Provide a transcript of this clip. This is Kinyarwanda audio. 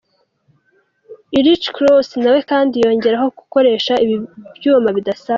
Ulrich Klaus nawe kandi yongeraho ko gukoresha ibi byuma bidasaba .